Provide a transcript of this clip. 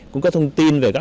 và các thông tin về các